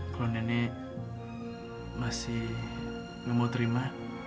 kalau nenek masih belum mau terima